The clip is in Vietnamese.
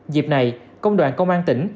dịp này công đoàn công an tỉnh